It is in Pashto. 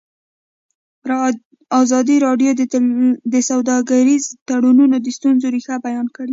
ازادي راډیو د سوداګریز تړونونه د ستونزو رېښه بیان کړې.